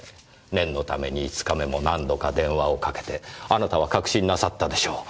念のために５日目も何度か電話をかけてあなたは確信なさったでしょう。